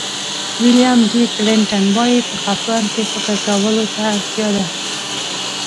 ویلیام جي کلنټن وایي په خفګان کې فکر کولو ته اړتیا ده.